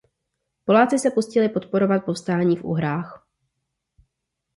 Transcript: Poláci se pokusili podporovat povstání v Uhrách.